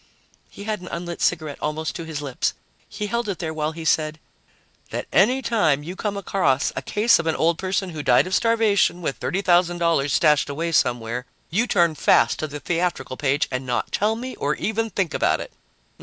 He had an unlit cigarette almost to his lips. He held it there while he said: "That any time you come across a case of an old person who died of starvation with $30,000 stashed away somewhere, you turn fast to the theatrical page and not tell me or even think about it."